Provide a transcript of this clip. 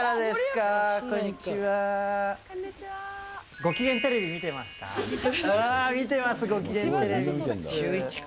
５きげんテレビ見てますか？